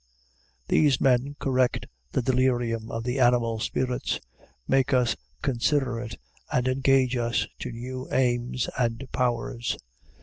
These men correct the delirium of the animal spirits, make us considerate, and engage us to new aims and powers.